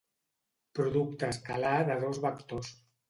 Producte escalar de dos vectors.